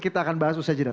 kita akan bahas usai tidak